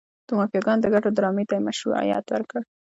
د مافیاګانو د ګټو ډرامې ته یې مشروعیت ورکړ.